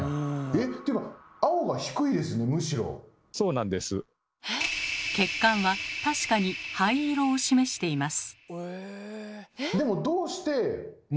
えっ⁉ていうか血管は確かに灰色を示しています。